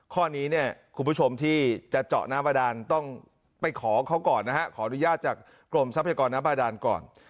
ข้อนี้เนี่ยคุณผู้ชมที่จะเจาะน้ำบาดานต้องไปขอเขาก่อนนะฮะขออนุญาตจากกรมทรัพยากรน้ำบาดานก่อน